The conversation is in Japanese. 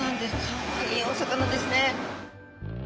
かわいいお魚ですね。